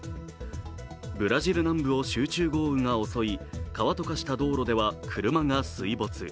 ブラジル南部を集中豪雨が襲い川と化した道路では車が水没。